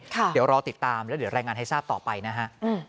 เดี๋ยวรอติดตามแล้วเดี๋ยวรายงานให้ทราบต่อไปนะฮะ